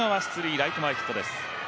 ライト前ヒットです。